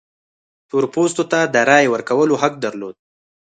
تور پوستو ته د رایې ورکولو حق درلود.